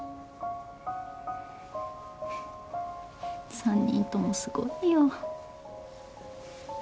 ３人ともすごいよ。